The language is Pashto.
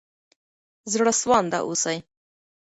زړه سوانده اوسئ.